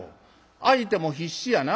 相手も必死やな。